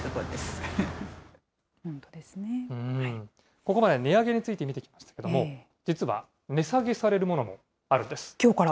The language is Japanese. ここまで値上げについて見てきましたけれども、実は値下げさきょうから？